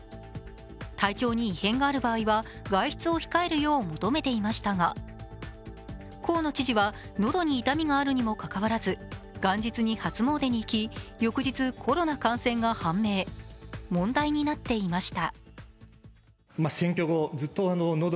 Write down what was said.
体調に異変がある場合は外出を控えるよう求めていましたが河野知事は喉に痛みがあるにもかかわらず、元日に初詣に行き、翌日コロナ感染が判明問題になっていました。